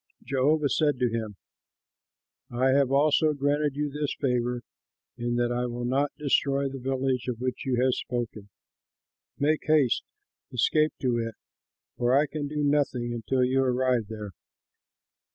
Jehovah said to him, "I have also granted you this favor, in that I will not destroy the village of which you have spoken. Make haste, escape to it, for I can do nothing until you arrive there."